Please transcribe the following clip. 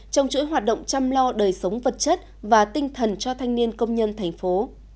trong chuỗi hoạt động chăm lo đời sống vật chất và tinh thần cho thanh niên công nhân thành phố